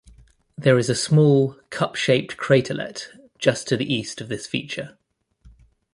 There is a small, cup-shaped craterlet just to the east of this feature.